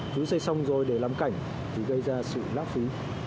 chú xây xong rồi để làm cảnh thì gây ra sự lãp phí